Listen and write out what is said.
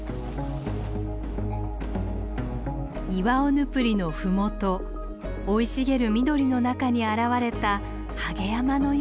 イワオヌプリの麓生い茂る緑の中に現れたはげ山のような場所。